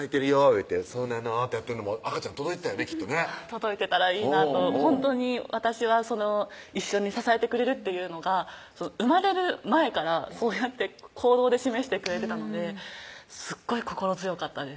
言うて「そうなの？」ってやってんのも赤ちゃん届いてたよねきっとね届いてたらいいなとほんとに私は一緒に支えてくれるっていうのが生まれる前からそうやって行動で示してくれてたのですっごい心強かったです